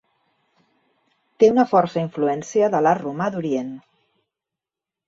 Té una força influència de l'art romà d'Orient.